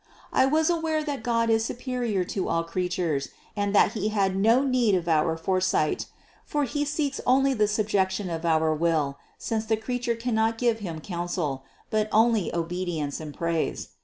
754. I was aware that God is superior to all crea tures and that He had no need of our foresight ; for He seeks only the subjection of our will, since the creature cannot give Him counsel, but only obedience and praise.